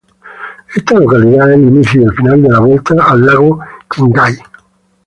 Esta localidad es el inicio y el final de la Vuelta al Lago Qinghai.